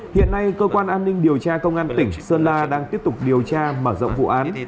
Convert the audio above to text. hiện nay cơ quan an ninh điều tra công an tỉnh sơn la đang tiếp tục điều tra mở rộng vụ án